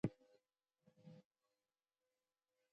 هغوی د محبوب څپو لاندې د مینې ژورې خبرې وکړې.